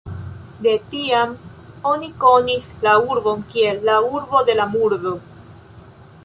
De tiam oni konis la urbon kiel "la urbo de la murdo".